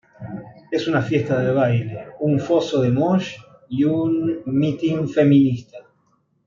Es una fiesta de baile, un foso de mosh y un mitin feminista.